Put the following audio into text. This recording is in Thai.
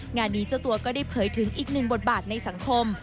งานนี้เจ้าตัวก็ได้เผยถึงอีกหนึ่งบทบาทในสังคม